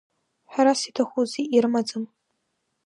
Ҳәарас иаҭахузеи, ирымаӡам.